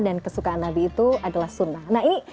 dan kesukaan nabi itu adalah sunnah